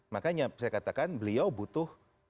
makanya saya katakan beliau butuh